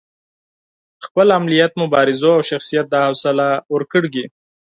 خپل علمیت، مبارزو او شخصیت دا حوصله ورکړې.